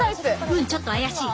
うんちょっと怪しい。